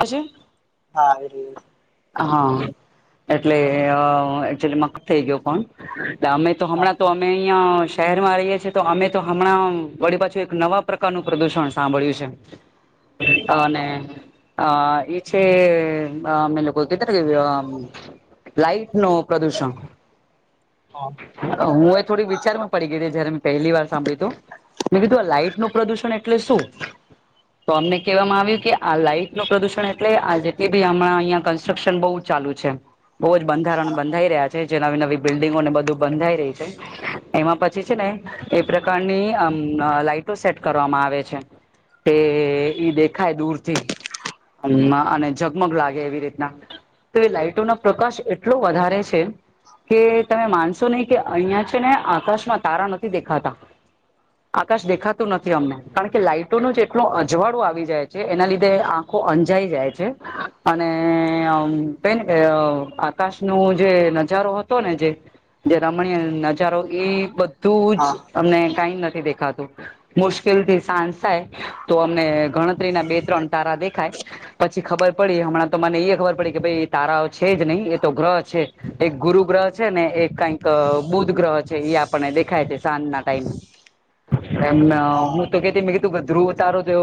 હછ હા આવી રહ્યો છે. હા એટલે એકચલીમાં કટ થઇ ગયો ફોન. એટલે અમે તો હા હમણાં તો અમે અહિયાં શહેરમાં રહીએ છીએ તો અમે તો હમણાં વળી પાછું એક નવા પ્રકારનું પ્રદુષણ સાંભળ્યું છે. હા અને અ એ છે અમે લોકો [unintelligible] લાઈટ નું પ્રદૂષણ હા. હું એ થોડીક વિચારમાં પડી ગઈ જયારે મેં પહેલી વાર સાંભળ્યું તું મેં કીધું આ લાાઈટ નું પ્રદુષણ એટલે શું? તો અમને કહેવામાં આવ્યું કે આ લાઈટ નું પ્રદુષણ એટલે આ જેટલી બી હમણાં અહિયાં કન્સ્ટ્રક્શન બહુ ચાલુ છે. બહુ જ બંધારણ બંધાઈ રહ્યા છે. જે નવી નવી બિલ્ડિંગો ને બધું બંધાઈ રહી છે. એમાં પછી છે ને એ પ્રકારની અમ લાઈટો સેટ કરવામાં આવે છે. એ ઈ દેખાય દૂર થી અને ઝગમગ લાગે એવી રીતના-' તો એ લાઈટો ના પ્રકાશ એટલો વધારે છે. કે તમે માનશો નહી કે અહિયાં છે ને આકાશમાં તારા નથી દેખાતા આકાશ દેખાતું નથી અમને. કારણ કે લાાઈટોનું એટલું અજવાળુ આવી જાય છે. એના લીધે આ [unintelligible] અંજાઈ જાય છે. અને [unintelligible] આકાશનો જે નજારો હતો ને જે જે રમણીય નજારો એ બધું જ હા અમને કઈ નથી દેખાતું. મુશ્કેલ થી સાજ થાય તો અમને ગણતરીના બે ત્રણ તારા દેખાય પછી ખબર પડી હમણાં તો મને એ ખબર પડી કે ભાઈ તારા છે જ નહી. એ તો ગ્રહ છે એક ગુરુ ગ્રહ છે ને એક કઈ બુધ ગ્રહ છે, એ આપણને દેખાય છે સાંજ ના ટાઈમે એમ હા હું તો કેતી મેં કીધું ધ્રુવ તારું તો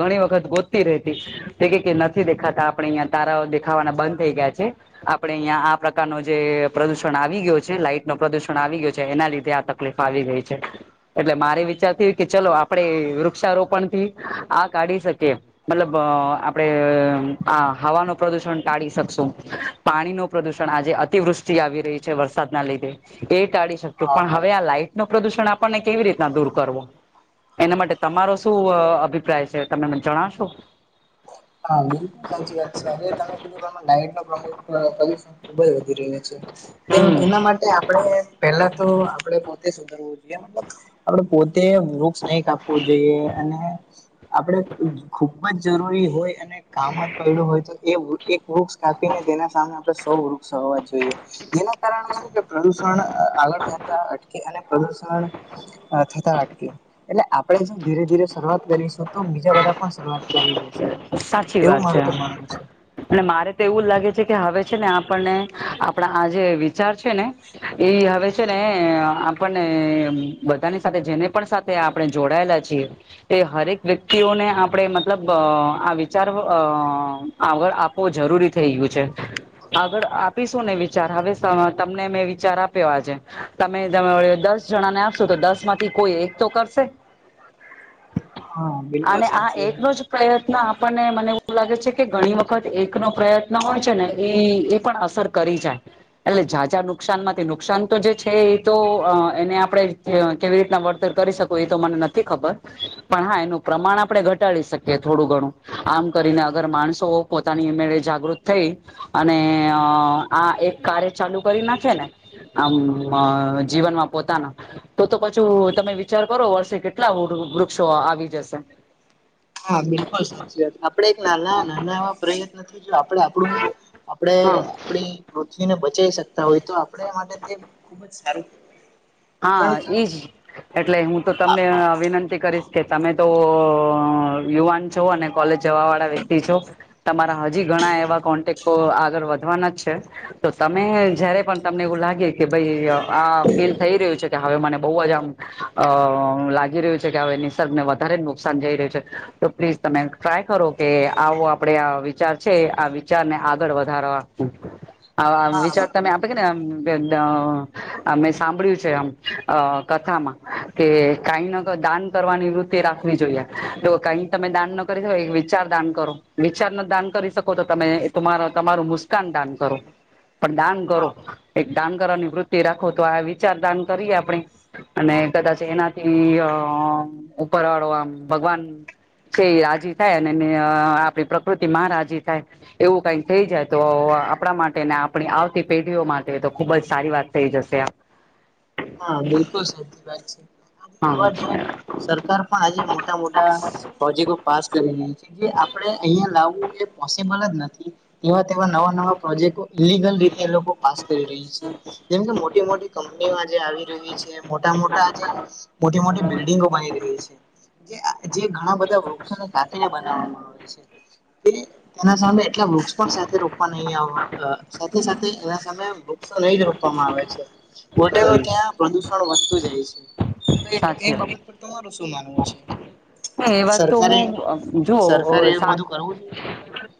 ઘણી વખત ગોતતી રેતી તે કે નથી દેખાતા. આપણે અહિયાં તારા દેખાવાના બંધ થઈ ગયા છે. આપડે અહિયાં આ પ્રકારનો જે પ્રદુષણ આવી ગયો છે. લાઈટ ન પ્રદુષણ આવી ગયો છે એના લીધે આ ત તકલીફ આવી ગઈ છે. એટલે મારે વિચાર થીયુ કે ચલો આપડે વૃક્ષારોપણ થી આ કાઢી શકીએ મતલબ આપડે આ હવાનો પ્રદુષણ ટાળી શકશું. પાણી નો પ્રદુષણ આજે અતિવૃષ્ટિ આવી રહી છે વરસાદના લીધે એ ટાળી શકશું. હા. પણ હવે આ લાઈટ નો પ્રદુષણ આપણને કેવી રીતના દૂર કરવો? એના માટે તમારો શું અભિપ્રાય છે, તમે મને જણશો? હા બિલકુલ સાચી વાત છે. તમે કીધું આમાં લાઈટનું પ્રદૂષણ ખુબ જ વધી રહ્યું છે. તેના હમ માટે આપણે પેલા તો આપડે પોતે સુધરવું જોઈએ. મતલબ આપડ પોતે વૃક્ષ નઈ કાપવું જોઈએ. અને આપણે ખૂબ ખૂ બ જ જરૂરી હોય અને કામ જ પડ્યું હોય તો એ એક વૃક્ષ કાપીને તેના સામે આપણે સો વૃક્ષ વાવા જોઈએ. જેના કારણે શું કે પ્રદુષણ આગળ જતા અટકે અને પ્રદુષણ થતા અટકે એટલે આપણે જો ધીરે ધીરે શરૂઆત કરીશું તો બીજા બધા પણ શરૂઆત કરી દેશે. ચી એવું વાત છે. મારું તો માનવું છે. અને મારે તો એવું જ લાગે છે કે હવે છે ને આપણને આપણા આ જે વિચાર છે ને એ હવે છે ને આપણને બધાની સાથે જેને પણ સાથ આપણે જોડાયેલા છીએ. તે હરેક વ્યક્તિઓને આપડે મતલબ આ વિચાર આગળ આપવો જરૂરી થઈ ગયું છે. આગળ આપીશું ને વિચાર હવે તમને મેં વિચાર આપ્યો આજે તમે દસ જણાને આપશો તો દસ માંથી કોઈ એક તો કરશે. હા બિલકુલ અને આ સાચી વાત. એકનો પ્રયત્ન આપણને મને એવું લાગે છે કે ઘણી વખત એકનો પ્રયત્ન હોય છે ને એ એ પણ અસર કરી જાય એટલે ઝાઝા નુકસાન માંથી નુકસાન તો જે છે એ તો એને આપણે કેવી રીતના વળતર કરી શકો એ તો મને નથી ખબર પણ હા એનું પ્રમાણ આપણે ઘ ટાડી શકે થોડું ઘણું આમ કરીને અગર માણસો પોતાની મેળે જાગૃત થઈ અને આ એક કાર્ય ચાલુ કરી નાખે ને આમ જીવનમાં પોતાના તો તો પછું તમે વિચાર કરો વર્ષે કેટલા વૃક્ષો આવી જશે. હા બિલકુલ સાચી વાત આપણે એક નાના નાના એવા પ્રયત્ન થી જો આપણે આપું આપણે હા આપણી પૃથ્વીને બચાવી શકતા હોય તો આપણે માટે તે ખૂબ જ સારું હા કારણ કે એ જ એટલે હું તો તમને વિનંતી કરીશ કે તમે તો યુવાન છો અને કોલેજ જવા વાળા વ્યક્તિ છો તમારા હજી ઘણા એવા કોન્ટેક્ટો આગળ વધવાના જ છે, તો તમે જયારે પણ તમને એવું લાગે કે ભાઈ આ ફિલ થઈ રહ્યું છે કે હવે મને બહુ જ આમ અ લાગી રહ્યું છે કે હવે નિસર્ગને વધારે જ નુકસાન જઈ રહ્યું છે તો પ્લીઝ તમે ટ્રાય કરો કે આવો આપડે આ વિચાર છે આ વિચારને આગળ વધારવા આવા હા વિચાર તમે આપે કે [unintelligible] સાંભળ્યું છે આમ અ કથામાં કે કઈ ન દાન કરવાની વૃત્તિ રાખવી જોઈએ તો કઈક તમે દાન ન કરી શકો વિચાર દાન કરો વિચાર ના દાન કરી શકો તો તમે તમારું તમારું મુસ્કાન દાન કરો પણ દાન કરો હા એક દાન કરવાની વૃતિ રાખો તો આ વિચાર દાન કરીએે આપણે અને કદાચ એનાથી અ ઉપર વાળો આમ ભગવાન છે એ રાજી થાય અને આપણી પ્રકૃતિ માં રાજી થાય એવું કઈક થઈ જાય તો આપણા માટે ને આપણી આવતી પેઢીઓ માટે તો ખુબ જ સારી વાત થઈ જશે એ હા બિલકુલ સાચી વાત છે આજે જોવા જઈએ તો હા સરકાર પણ આજે મોટા મોટા પ્રોજેક્ટો પાસ કરીને છે જે આપે અહિયાં લાવવું એ પોસિબલ જ નથી એવા તેવા નવા નવા પ્રોજેક્ટ ઇલીગલ રીતે એ લોકો પાસ કરી લેય છે. જેમકે મોટી મોટી કંપનીઓ આજે આવી છે મોટા મોટા આજે મોટી મોટી બિલ્ડિંગો બની રહી છે જે ઘણા બધા વૃક્ષોને કાપીને બનાવવામાં આવેય છે તે એના સામે એટલા વૃક્ષ પણ સાથે રોકવા નહી આવે સાથે સાથે એ સામે નહી રોપવામાં આવે છે ઓલટાનુ ત્યાં પ્રદુષણ વધતું જાય છે. તો સાચી એ બાબત પર તમારું શું માનવું છે હ એ કે વાત તો સરકારે હું જોવ સરકારે હોય એ સાથ બધું કરવું જોઈએ?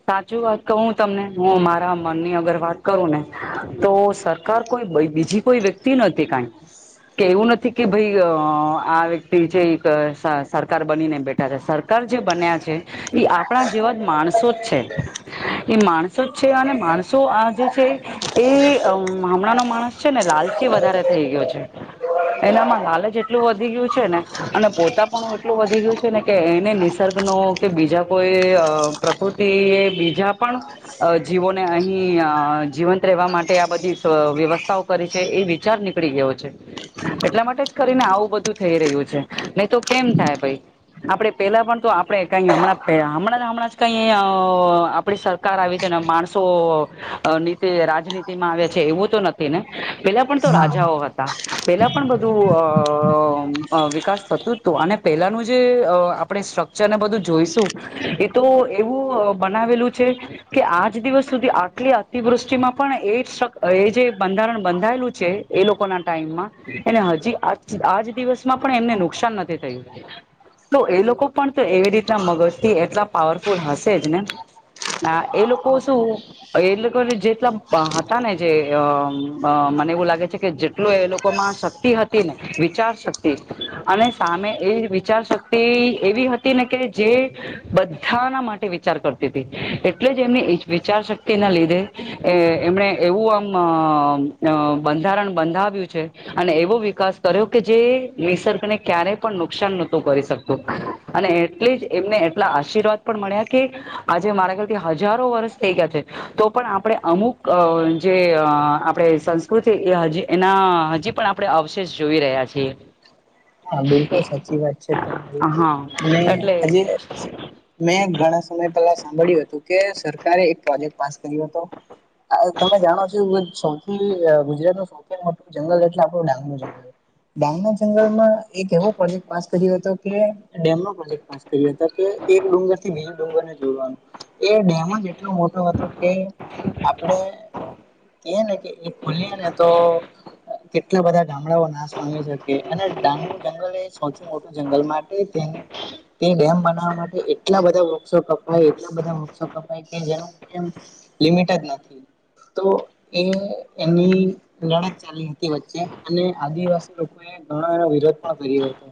સાચું વાત કહું તમને હું મારા મનની અગર વાત કરું ને તો સરકાર કોઈ બીજી કોઈ વ્યક્તિ નથી કઈ કે એવું નથી કે ભાઈ અ આ વ્યક્તિ જે એક સરકાર બની ને બેઠા છે સરકાર જે બન્યા છે એ આપણા જેવા જ માણસો જ છે એ માણસો જ છે અને માણસો આજે છે એ હમણાંનો માણસ છે ને લાલચી વધારે થઈ ગયો છે એનામાં લાલચ એટલું વધી ગયું છે ને અને પોતા પણ એટલું વધી ગયું છે ને કે એને નિસર્ગ નો કે બીજા કોઈ પ્રકૃતિ એ બીજા પણ અ જીવોને અહી અ જીવંત રહેવા માટે આ બધી વ્યવસ્થાઓ કરી છે એ વિચાર નીકળી ગયો છે એટલા માટે જ કરીને આવું બધું થઈ રહ્યું છે નહી તો કેમ થાય ભાઈ આપણે પેલા પણ તો આપણે કઈ હમણાં હમણાં હમણાં ને જ કઈ અ આપણી સરકાર આવી છે ને માણસો નીતિ રાજનીતિમાં આવે છે એવું તો નથી ને પેલા પણ તો રાજાઓ હા હતા પેલા પણ બધું અ અ વિકાસ થતું હતું અને પેલાનું જે આપણે સ્ટ્રકચરને બધું જોઈશું એ તો એવું બનાવેલું છે. કે આજ દિવસ સુધી આટલી અતિવૃષ્ટિમાં પણ એ જ એ જે બંધારણ બંધાયેલું છે એ લોકો ના ટાઈમમાં એને હજી આજ આજ દિવસમાં પણ એમને નુકસાન નથી થયું. તો એ લોકો પણ તો એવી રીતના મગજ થી એટલા પાવરફુલ હશે જ ને. હા એ લોકો શું એ લોકોને જેટલા હતા ને જે અ મ અ મને એવું લાગે છે કે જે ટલુ એ લોકોમાં શક્તિ હતી ને વિચાર શક્તિ અને સામે એ વિચાર શક્તિ એવી હતી ને કે જે બધાના માટે વિચાર કરતી હતી એટલે જ એમની વિચાર શક્તિ ના લીધે એમણે એવું આમ બંધારણ બંધાવ્યું છે. અને એવો વિકાસ કર્યો કે જે નિસર્ગને ક્યારેય પણ નુકસાન નહોતો કરી શકતું. અને એટલે જ એમને એટલા આશીર્વાદ પણ મળ્યા કે આજે મારા ખ્યાલથી હજારો વર્ષ થઈ ગયા છે તો પણ આપણે અમુક અ જે આપડે સંસ્કૃતિ એ હજી અ એના હજી પણ આપણે અવશેષ જોઈ રહ્યા છીએ. હા બિલકુલ સાચી વાત છે તમારી હા ને એટલે આજે મેં ઘણા સમય પહેલા સાંભળ્યું હતું કે સરકારે એક પ્રોજેક્ટ પાસ કર્યો હતો. તમે જાણો છો સૌથી ગુજરાત નું સૌ થી મોટું જંગલ એટલે આપણું ડાંગનું જંગલ ડાંગના જંગલમાં એક એવો પ્રોજેક્ટ પાસ કર્યો હતો કે ડેમ નો પ્રોજેક્ટ પાસ કર્યો હતો કે એક ડુંગર થી બીજો ડુગરને જોડવાનું એ ડેમ જ એટલો મોટો હતો કે આપડે કેયે ને કે એ ખુલીએ ને તો કેટલા બધા ગામડાઓ નાશ પામી શકે અને ડાંગનું જંગલ એ સૌથી મોટું જંગલ માટે તેની તે ડેમ બનાવવા માટે એટલા બધા વૃક્ષો કપાય એટલા બધા વૃક્ષો કપાય કે જેનો જે એમ લિમિટેડ નથી તો એ એની લડત ચાલી હતી વચ્ચે અને આદિવાસી લોકોએ ઘણો એનો વિરોધ પણ કર્યો હતો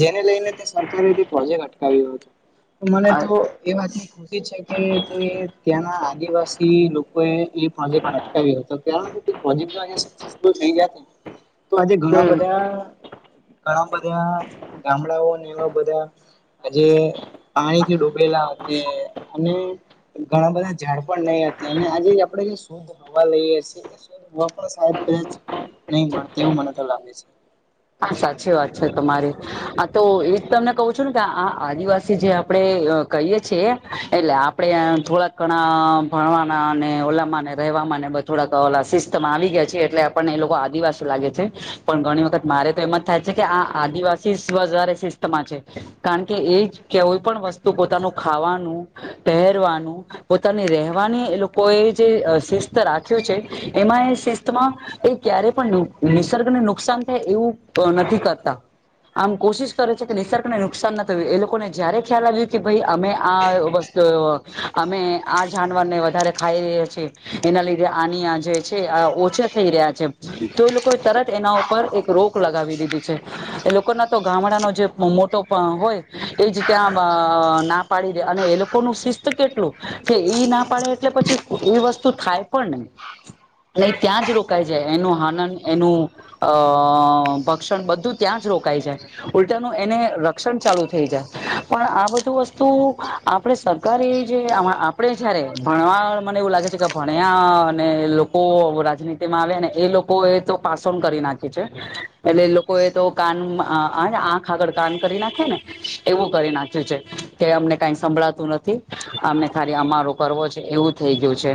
જેને લઈને તે સરકારે તે પ્રોજેક્ટ અટકાવ્યો હતો. મને તો એ વાતનું ખુશી છે કે એ ત્યાંના આદિવાસી લોકો એ એ પ્રોજેક્ટ માટે અટકાવ્યો હતો કારણ જે પ્રોજેક્ટો અહીંયા સક્સેસ ફુલ થઈ ગયા તો આજે ઘણા હમ બધા ઘણા બધા ગામડાઓ ને એવા બધા આજે પાણીથી ડૂબેલા અતે અને ઘણા બધા ઝાડ પણ નહીં હતે અને આજે આપણેે શુદ્ધ હવા લઈએ છીએ પણ ક નહી મળ એવું મને તો લાગે છે. સાચી વાત છે તમારી આ તો એ તમને કહું છું ને કે આ આદિવાસી જે આપણે કહીએ છીએ એટલે આપણેે થોડાક ઘણા ભણવાના અને ઓલામાંને રહેવા ને બ થોડા ક સિસ્ટમ આવી ગયા છે. એટલે આપણને એ લોકો આદિવાસી લાગે છે. પણ ઘણી વખત મારે એમાં થાય છે, કે આ આદિવાસી સ્વ વધારે શિસ્તમાં છે. કારણ કે એજ કોઈ પણ વસ્તુ પોતાનું ખાવાનું પહેરવાનું પોતાની રહેવાની લોકોએ જે શિસ્ત રાખ્યો છે. એમાં એ શિસ્તમાં એ ક્યારે પણ નિસર્ગને નુકસાન થાય એવું નથી કરતા. આમ કોશિશ કરે છે કે નિસર્કને નુકસાન ના થયું એ લોકોને જયારે ખ્યાલ આવ્યું કે ભાઈ અમે આ વસ્તુ તો અમે આ જાનવર ને વધારે ખાઈ રહ્યા છીએ એના લીધે આની આ જે ઓછા થઈ રહ્યા છે, તો એ લોકોએ તરત એના ઉપર એક રોક લગાવી દીધી છે. એ લોકો ના તો ગામડાનો જે મોટો હોય એજ ત્યાં ના પાડી દે અને એ લોકો ન શિસ્ત કેટલું કે ઈ ના પાડે એટલે પછી એઈ વસ્તુ થાય પણ નહી. એ ત્યાં જ રોકાય જાય એનું આનંદ એનું અ ભક્ષણ બધું ત્યાં જ રોકાય જાય. ઉલટાનું એને રક્ષણ ચાલુ થઈ જાય, પણ આ બધું વસ્તુ આપડ સરકાર એ જે આપે જયારે ભણવા મને એવું લાગે છે કે ભણ્યા અને એ લોક કો રાજનીતિમાં આવે ને એ લોકો એ તો પાસ ઓન કરી નાખી છે. એટલે લોકો એ તો કાન, આંખ આગળ કાન કરી નાખે ને એવું કરી નાખ્યું છે કે અમને કાઈ સંભળાતું નથી અમને ખાલી અમારો કરવો છે એવું થેઈ ગયું છે.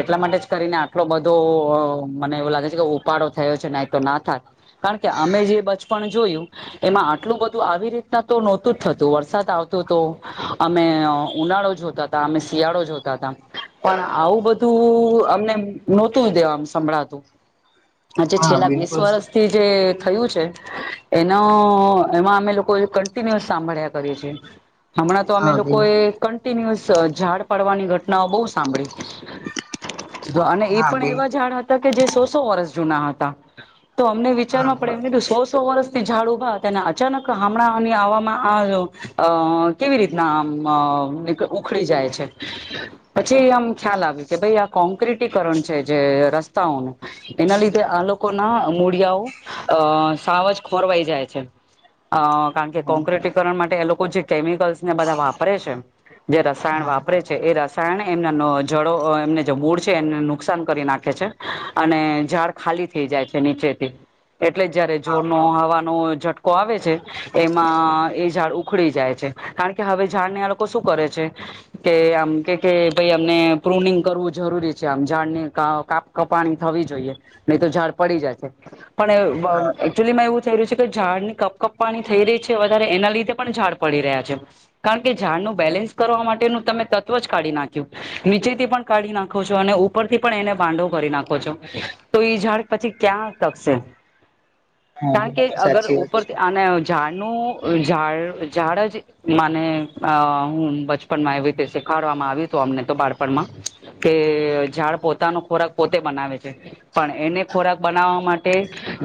એટલા માટે જ કરીને આટલો બધો અ મને એવું લાગે છે કે ઓપાડો થયો છે, નાય તો ના થાત. કારણ કે અમે જે બચપણ જોયું એમાં આટલું બધું આવી રીતના તો નહોતું જ થતું વરસાદ આવતું તો અમે ઉનાળો જોતા તા અમે શિયાળો જોતા તા પણ આવું બ તું અમને નહોતું દેવામ સંભળાત આજે હા છેલ્લા વીસ બિલકુલ વર્ષ થી જે થયું છે. એનો એમાં અમે લોકો એ કન્ટિન્યુઅસ સાંભળ્યા કરીએ છીએ. હમણાં તો અમે હા લોકો બિલ એ કન્ટિન્યુઅસ અ ઝાડ પાડવાની ઘટનાઓ બહુ સાંભળી. અને એ હા પણ બિલ એવા ઝાડ હતા કે જે સો સો વર્ષ જૂના હતા. તો અમને હા વિચારમાં પડ્યા એમ કીધું સો સો વર્ષ થી ઝાડ ઉભા તેને અચાનક હમણાંની આવવામાં આવ્યો. અ કેવી રીતના આમ અ નીક ઉખડી જાય છે. પછી આમ ખ્યાલ આવ્યું કે ભઈ આ કોંક્રેટીકરણ છે જે રસ્તાઓનું એના લીધે આ લોકોના મૂળિયાઓ અ સાવજ ખોરવાઈ જાય છે. અ કારણ કે હા કોંક્રેટીકરણ માટે એ લોકો જે કેમિકલ્સ ને બધા વાપરે છે.? જે રસાયણ વાપરે છે એ રસાયણ ને એમના ન જડો એમને જ મૂળ છે એને નુકસાન કરી નાખે છે. અને ઝાડ ખાલી થઈ જાય છે નીચેથી. એટલે જયારે હા. જોરનો હવાનો ઝટકો આવે છે એમાં એ ઝાડ ઉખડી જાય છે. કારણ કે હવે ઝાડ ને આ લોકો શું કરે છે.? કે આમ કે કે ભઈ અમને પ્રૂનિંગ કરવું જરૂરી છે આમ ઝાડને કાપ કાપ કપાણી થવી જોઈએ નહી તો ઝાડ પડી જાશે હા પણ ચુલીમાં એવું થઈ રહ્યું છે કે, ઝાડની કપ કપપાણી થઈ રી છે વધારે એના લીધે પણ ઝાડ પડી રહ્યા છે. કારણ કે ઝાડનું બેલેન્સ કરવા માટેનું તમે તત્વ જ કાઢી નાખ્યું. નીચેથી પણ કાઢી નાખો છો અને ઉપરથી પણ એને ભાંડો કરી નાખો છો તો ઈ ઝાડ પછી ક્યાં ટકશે હા કારણ કે બિલકુલ અગર સાચી વાત ઉપર છે. આને અ ઝાડનું ઝાડ ઝાડ જ માને આ હું બચપનમાં એવી રીતે શીખાડવામાં આવ્યું તું અમને તો બાળપણમાં તે અ ઝાડ પોતાનો ખોરાક પોતે બનાવે છે પણ એને ખોરાક બનાવ માટે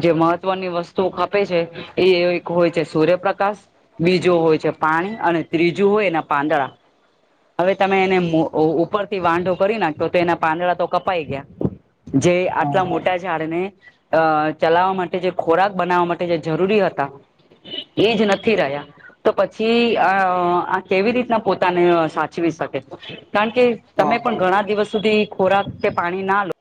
જે મહત્વની વસ્તુ ખપે છે ઈ એક હોય છે સૂર્યપ્રકાશ બીજો હોય છે પાણી અને ત્રીજું હોય એના પાંદડા. હવે તમે એને મો ઉ ઉપરથી વાંઢો કરી નાખો તેના પાંદડા તો કપાઈ ગયા. જે હા આટલા મોટા ઝાડને અ ચલાવવા માટે જે ખોરાક બનાવવા માટે જે જરૂરી હતા એ જ નથી રહ્યા. તો પછી આ આ કેવી રીતના પોતાને સાચવી શકે. કારણ કે હા તમે પણ બિલકુલ ઘણા દિવસ સુધી ખોરાક કે પાણી ના લો